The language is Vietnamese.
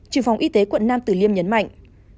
trừ phòng y tế quận nam tử liêm nhấn mạnh